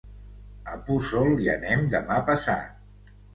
A Puçol hi anem demà passat.